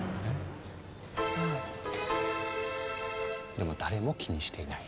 でも誰も気にしていない。